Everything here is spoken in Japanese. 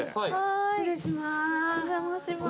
失礼します。